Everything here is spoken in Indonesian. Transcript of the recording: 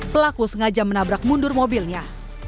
pelaku sengaja menabrak mundur mobilnya